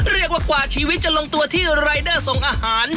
เรียกว่ากว่าชีวิตจะลงตัวที่รายได้ส่งอาหาร